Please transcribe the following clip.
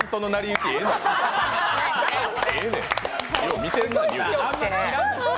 似てるな。